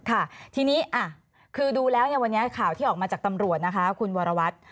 ค่ะทีนี้คือดูแล้ววันนี้ข่าวที่ออกมาจากตำรวจนะคะคุณวรวัตร